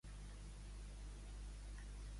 Fer posar pell.